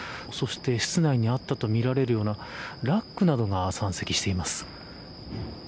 室内にあったとみられるようなラックなどが山積しています。